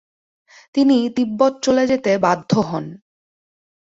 তিনি তিব্বত চলে যেতে বাধ্য হন।